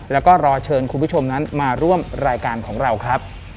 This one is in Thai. แล้วก็รอเชิญคุณผู้ชมนั้นมาร่วมรายการของเราครับ